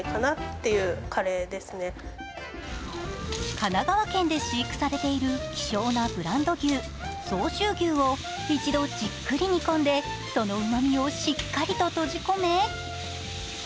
神奈川県で飼育されている希少なブランド牛、相州牛を一度じっくり煮込んでそのうまみをしっかりと閉じ込め